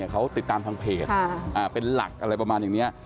เขาติดตามทางเพจเป็นหลักอะไรประมาณอย่างนี้